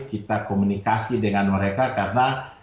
kita komunikasi dengan mereka karena